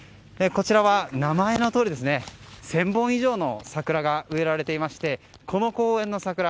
こちらは名前のとおり１０００本以上の桜が植えられていましてこの公園の桜